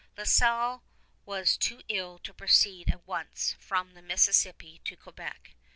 La Salle was too ill to proceed at once from the Mississippi to Quebec.